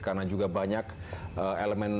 karena juga banyak elemen